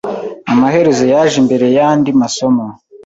Amaherezo yaje imbere yandi masomo.